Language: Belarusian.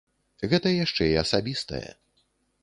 Гэта яшчэ і асабістае.